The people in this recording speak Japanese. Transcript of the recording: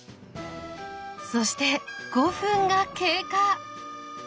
そして５分が経過。